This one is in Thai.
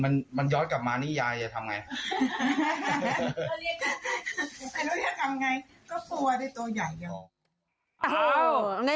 มันมันยอดกลับมานี่ยายจะทำไงไปแล้วจะกำไงก็กลัวได้ตัวใหญ่